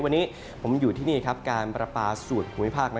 วันนี้ผมอยู่ที่นี่การประปาศูนย์คลุงวิพักษ์